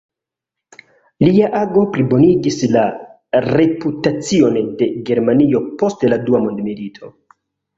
Lia ago plibonigis la reputacion de Germanio post la dua mondmilito.